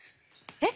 えっ